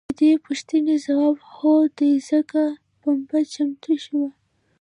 د دې پوښتنې ځواب هو دی ځکه پنبه چمتو شوې.